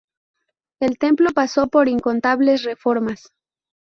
El templo pasó por incontables reformas.